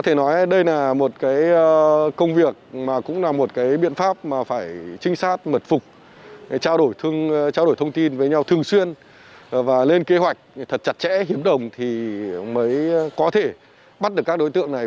có thể nói đây là một công việc mà cũng là một biện pháp mà phải trinh sát mật phục trao đổi thông tin với nhau thường xuyên và lên kế hoạch thật chặt chẽ hiếm đồng thì mới có thể bắt được các đối tượng này